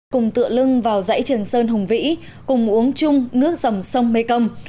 cùng tựa lưng vào dãy trường sơn hùng vĩ cùng uống chung nước dòng sông mê công